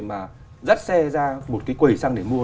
mà dắt xe ra một cái quầy xăng để mua